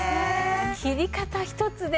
切り方一つで。